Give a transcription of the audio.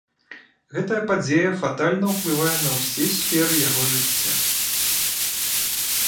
Гэтая падзея фатальна ўплывае на ўсе сферы яго жыцця.